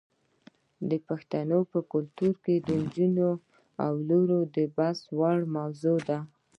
د پښتنو په کلتور کې د نجونو ولور د بحث وړ موضوع ده.